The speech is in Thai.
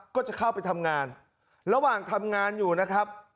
ก็จะเข้าไปทำงานระหว่างทำงานอยู่นะครับ